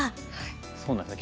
そうなんですよね。